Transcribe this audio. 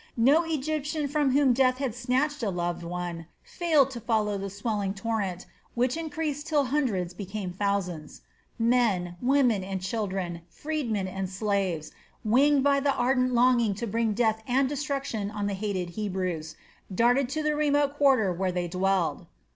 No Egyptian from whom death had snatched a loved one failed to follow the swelling torrent, which increased till hundreds became thousands. Men, women, and children, freedmen and slaves, winged by the ardent longing to bring death and destruction on the hated Hebrews, darted to the remote quarter where they dwelt.